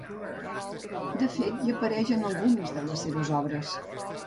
De fet, hi apareix en algunes de les seves obres.